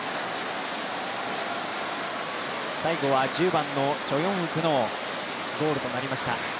最後は１０番のチョ・ヨンウクのゴールとなりました。